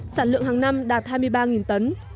sản lượng hàng năm đạt hai mươi ba tấn